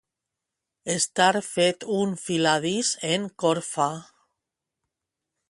Estar fet un filadís en corfa.